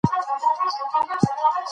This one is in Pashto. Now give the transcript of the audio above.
نجونې به تر هغه وخته پورې کیسې لیکي.